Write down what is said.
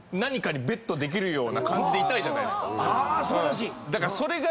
あ！素晴らしい！